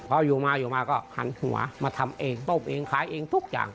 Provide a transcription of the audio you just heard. พออยู่มาอยู่มาก็หันหัวมาทำเองต้มเองขายเองทุกอย่าง